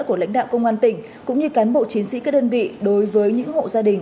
của lãnh đạo công an tỉnh cũng như cán bộ chiến sĩ các đơn vị đối với những hộ gia đình